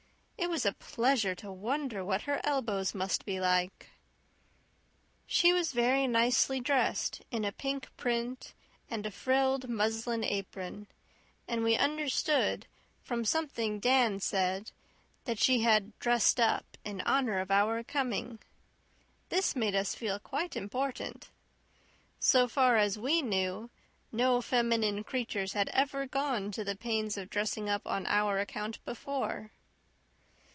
It was a pleasure to wonder what her elbows must be like. She was very nicely dressed in a pink print and a frilled muslin apron; and we understood, from something Dan said, that she had "dressed up" in honour of our coming. This made us feel quite important. So far as we knew, no feminine creatures had ever gone to the pains of dressing up on our account before.